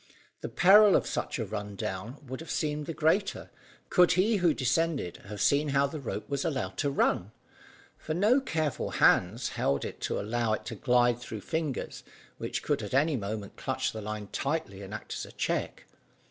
The peril of such a run down would have appeared the greater, could he who descended have seen how the rope was allowed to run. For no careful hands held it to allow it to glide through fingers, which could at any moment clutch the line tightly and act as a check.